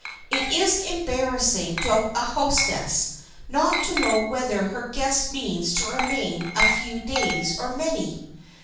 It is embarrassing to a hostess not to know whether her guest means to remain a few days or many.